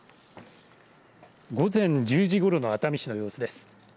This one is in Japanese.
午前１０時ごろの熱海市の様子です。